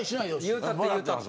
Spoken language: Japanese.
言うたって言うたって。